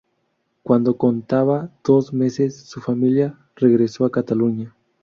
Cuando contaba dos meses, su familia regresó a Cataluña.